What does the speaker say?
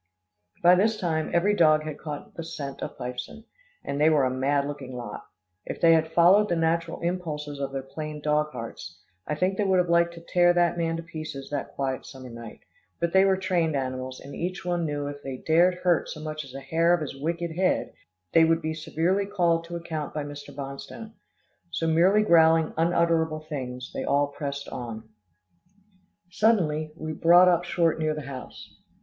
By this time, every dog had caught the scent of Fifeson, and they were a mad looking lot. If they had followed the natural impulses of their plain dog hearts, I think they would have liked to tear that man to pieces that quiet summer night, but they were trained animals, and each one knew if they dared hurt so much as a hair of his wicked head, they would be severely called to account by Mr. Bonstone. So merely growling unutterable things, they all pressed on. Suddenly, we brought up short near the house.